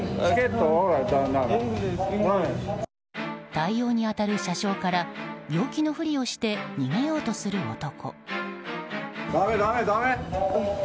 対応に当たる車掌から病気のふりをして逃げようとする男。